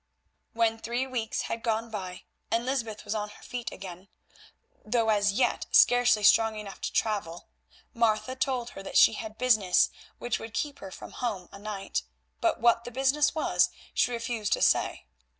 When three weeks had gone by and Lysbeth was on her feet again, though as yet scarcely strong enough to travel, Martha told her that she had business which would keep her from home a night, but what the business was she refused to say.